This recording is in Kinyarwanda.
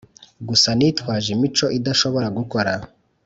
gusa nitwaje imico udashobora gukora.